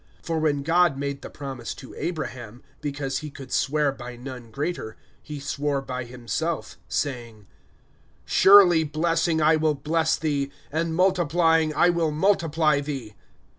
(13)For when God made the promise to Abraham, because he could swear by none greater, he swore by himself, (14)saying: Surely, blessing I will bless thee, and multiplying I will multiply thee.